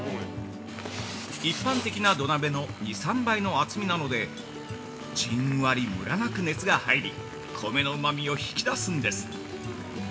一般的な土鍋の２３倍の厚みなのでじんわりムラなく熱が入り米のうまみを引き出すんです。